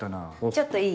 ちょっといい？